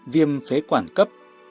viêm phế quản cấp